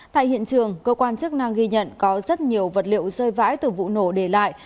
tại hiện trường cơ quan chức năng ghi nhận có rất nhiều vật liệu rơi vãi từ vụ nổ để lại